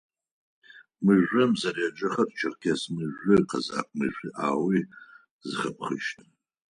Мыжъом зэреджэхэрэр «Черкес мыжъу», «Къэзэкъ мыжъу» аӏоуи зэхэпхыщт.